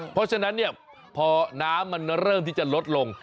เพราะฉะนั้นพอน้ำมันเริ่มที่จะลดลง